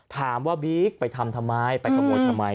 บิ๊กไปทำทำไมไปขโมยทำไม